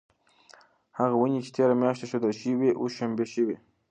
هغه ونې چې تیره میاشت ایښودل شوې وې اوس شنې شوې.